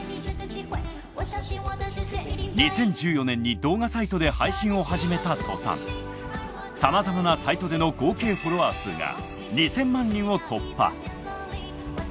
２０１４年に動画サイトで配信を始めた途端さまざまなサイトでの合計フォロワー数が２，０００万人を突破。